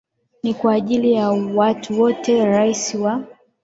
ni kwa ajili ya watu wote Rais wa